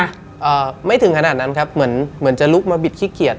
อ่าไม่ถึงขนาดนั้นครับเหมือนเหมือนจะลุกมาบิดขี้เกียจ